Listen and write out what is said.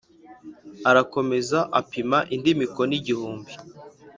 Arakomeza apima indi mikono igihumbi